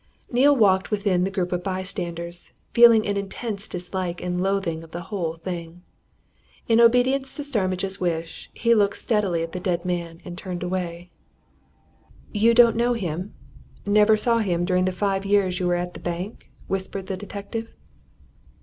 Neale walked within the group of bystanders, feeling an intense dislike and loathing of the whole thing. In obedience to Starmidge's wish, he looked steadily at the dead man and turned away. "You don't know him? never saw him during the five years you were at the bank?" whispered the detective.